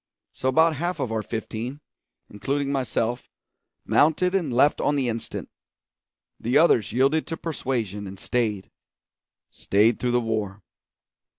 So about half of our fifteen, including myself, mounted and left on the instant; the others yielded to persuasion and stayed stayed through the war.